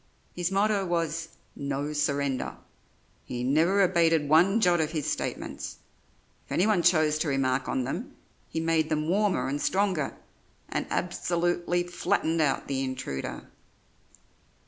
His motto was "No surrender"; he never abated one jot of his statements; if anyone chose to remark on them, he made them warmer and stronger, and absolutely flattened out the intruder.